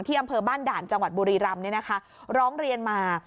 ที่อำเภอบ้านด่านจังหวัดบุรีรำเนี้ยนะคะร้องเรียนมา